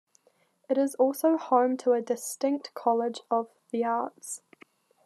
It is also home to a distinct College of the Arts.